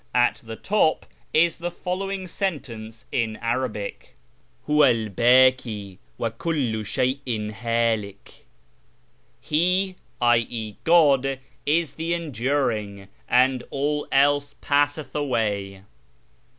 At the top is the following sentence in Arabic :—" HuwA 'l bak! wa kullu shey''" hIlik." " He (i.e. God) is the Enduring, and all else passeth away."